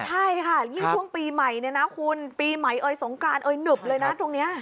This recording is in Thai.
ใช่ค่ะยิ่งช่วงปีใหม่ปีใหม่สงกรานหนึบเลยนะตรงนี้